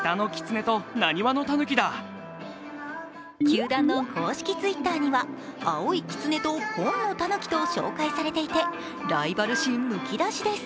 球団の公式Ｔｗｉｔｔｅｒには青いきつねと紺のたぬきと紹介されていてライバル心むき出しです。